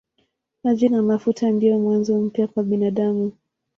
Maji na mafuta ndiyo mwanzo mpya kwa binadamu.